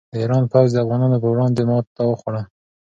د ایران پوځ د افغانانو په وړاندې ماته وخوړه.